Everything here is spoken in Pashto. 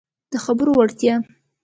د خبرو وړتیا